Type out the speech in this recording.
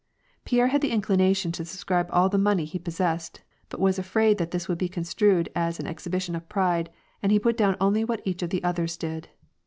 Pierre had the inclination to subscribe all the money that he possessed, but he was afraid that this would be construed as an exhibition of pride, and he put down only what each of the others did.